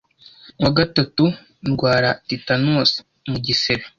wa gatatu ndwara tetanosi mu gisebe